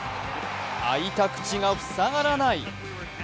開いた口が塞がらない。